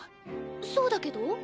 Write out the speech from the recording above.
そうだけど？